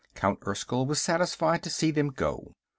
Count Erskyll was satisfied to see them go.